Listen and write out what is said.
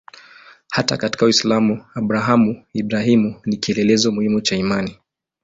Hata katika Uislamu Abrahamu-Ibrahimu ni kielelezo muhimu cha imani.